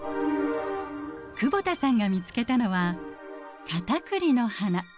久保田さんが見つけたのはカタクリの花。